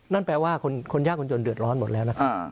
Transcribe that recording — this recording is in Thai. นั่นแปลว่าคนยากคนจนเดือดร้อนหมดแล้วนะครับ